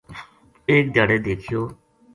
ایک دھیاڑے دیکھیو